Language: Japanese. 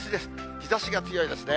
日ざしが強いですね。